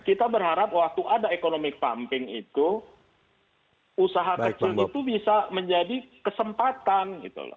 karena waktu ada economic pumping itu usaha kecil itu bisa menjadi kesempatan